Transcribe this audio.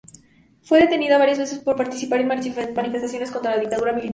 Fue detenida varias veces por participar en manifestaciones contra la dictadura militar.